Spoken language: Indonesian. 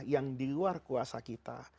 yang di luar kuasa kita